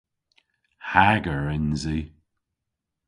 Hager yns i.